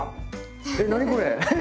え何これ。